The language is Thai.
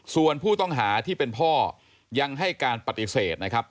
ส่วนผู้ต้องหาที่เป็นพ่อยังให้การปฏิเสธนะครับ